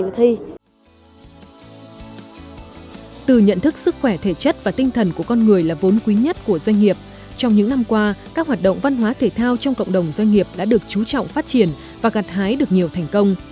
từ nhận thức sức khỏe thể chất và tinh thần của con người là vốn quý nhất của doanh nghiệp trong những năm qua các hoạt động văn hóa thể thao trong cộng đồng doanh nghiệp đã được chú trọng phát triển và gạt hái được nhiều thành công